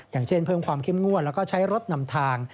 อย่างเช่นเพิ่มความเข้มงวดแล้วก็ใช้รถนำทาง